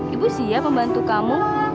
ibu siap membantu kamu